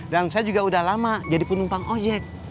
dan saya juga udah lama jadi penumpang ojek